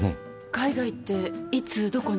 海外っていつどこに？